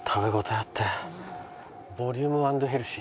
ボリューム＆ヘルシー？